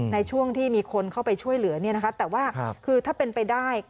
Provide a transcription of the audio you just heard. ในช่วงที่มีคนเข้าไปช่วยเหลือแต่ว่าคือถ้าเป็นไปได้